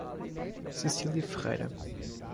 Cecilia Ferreira